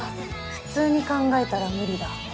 普通に考えたら無理だ。